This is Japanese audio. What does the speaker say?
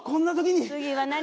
次は何？